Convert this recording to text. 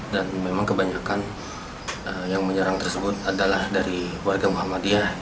dan memang kebanyakan yang menyerang tersebut adalah dari warga muhammadiyah